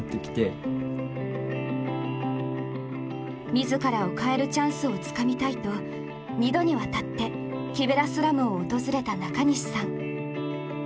自らを変えるチャンスをつかみたいと２度にわたってキベラスラムを訪れた中西さん。